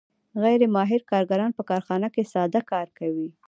غیر ماهر کارګران په کارخانه کې ساده کار کوي